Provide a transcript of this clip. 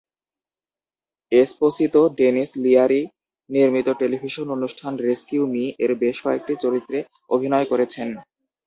Esposito Denis Leary নির্মিত television অনুষ্ঠান "rescue মি"-এ বেশ কয়েকটি চরিত্রে অভিনয় করেছেন।